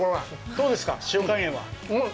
どうですか、塩加減は。